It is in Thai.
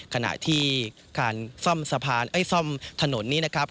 ขณะที่การซ่อมถนนนี้นะครับ